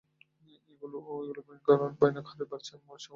ওগুলো ভয়ানকহারে বাড়ছে, আর মরছেও না।